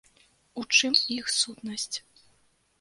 У чым іх сутнасць?